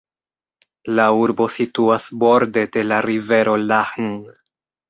La urbo situas borde de la rivero Lahn.